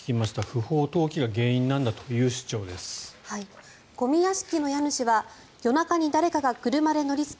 不法投棄が原因なんだという主張です。